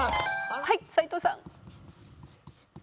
はい斉藤さん。